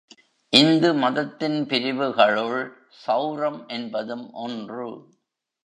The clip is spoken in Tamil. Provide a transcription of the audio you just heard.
இந்து மதத்தின் பிரிவுகளுள் செளரம் என்பதும் ஒன்று.